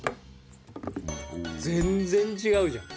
全然違うじゃん。